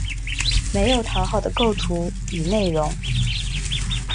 没有讨好的构图与内容